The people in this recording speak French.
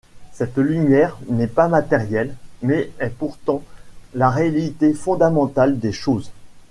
Cette lumière n'est pas matérielle mais est pourtant la réalité fondamentale des choses.